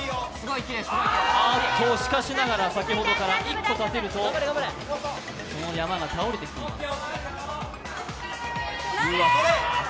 あっと、しかしながら、先ほどから１個立てると、その山が倒れてきます。